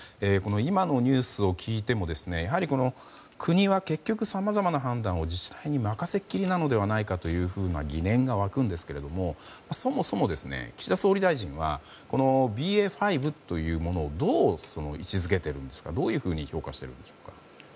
今のニュースを聞いてもやはり国は結局さまざまな判断を自治体に任せっきりなのではないかという疑念が湧くんですがそもそも岸田総理大臣はＢＡ．５というものをどう位置付けているんでしょうかどういうふうに評価しているんでしょうか。